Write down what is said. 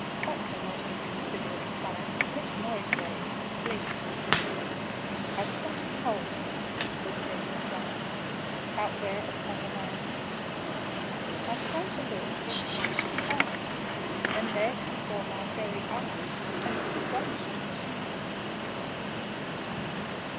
That's a most inconsiderate plan. Less noise there, if you please!" [Picture: The Thing standing by chair] "I've caught a cold," the Thing replies, "Out there upon the landing." I turned to look in some surprise, And there, before my very eyes, A little Ghost was standing!